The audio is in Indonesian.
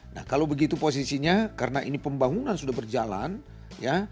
nah kalau begitu posisinya karena ini pembangunan sudah berjalan ya